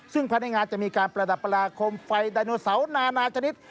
ซึ่งภายในงานจะมีการประดับประดาคมไฟไดโนเสาร์นานาชนิด